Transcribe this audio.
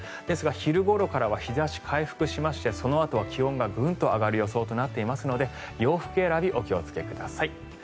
ですが、昼ごろから日差し回復しましてそのあとは気温がグンと上がる予想となっていますので洋服選び、お気をつけください。